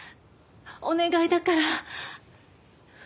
お願いだから。